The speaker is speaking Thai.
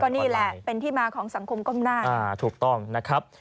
นี่แหละเป็นที่มาของสังคมก้มหน้าถูกต้องนะครับ